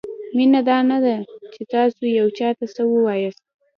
مینه دا نه ده؛ چې تاسو یو چاته څه وایاست؛